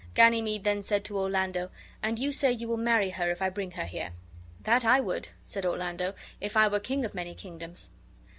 Ganymede then said to Orlando, "And you say you will marry her if I bring her here." "That I would," said Orlando, "if I were king of many kingdoms."